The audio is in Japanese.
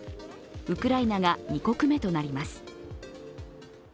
ウクライナが２国目となります。